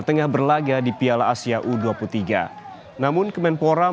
sepanjang hal tersebut tidak dikomersialkan